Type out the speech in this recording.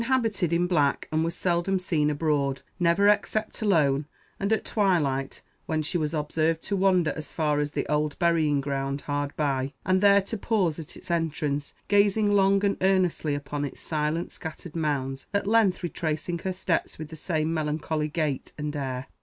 She was habited in black, and was seldom seen abroad, never except alone, and at twilight, when she was observed to wander as far as the old burying ground hard by, and there to pause at its entrance, gazing long and earnestly upon its silent, scattered mounds, at length retracing her steps with the same melancholy gait and air.